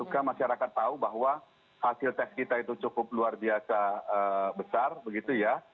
maka masyarakat tahu bahwa hasil tes kita itu cukup luar biasa besar begitu ya